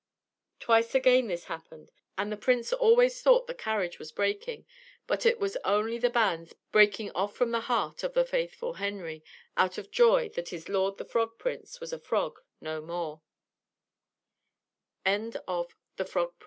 Twice again this happened, and the prince always thought the carriage was breaking; but it was only the bands breaking off from the heart of the faithful Henry, out of joy that his lord the Frog Prince was a frog no more. THE WHITE CAT.